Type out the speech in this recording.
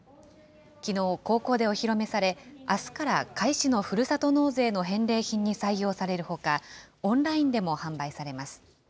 きのう、高校でお披露目され、あすから甲斐市のふるさと納税の返礼品に採用されるほか、オンラインでも販売されます。